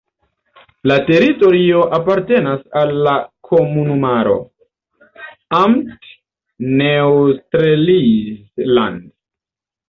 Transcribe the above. La teritorio apartenas al la komunumaro "Amt Neustrelitz-Land".